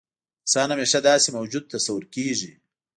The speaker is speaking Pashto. انسان همیشه داسې موجود تصور کېږي.